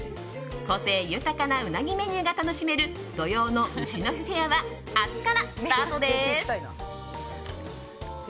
個性豊かなうなぎメニューが楽しめる土用の丑の日フェアは明日からスタートです。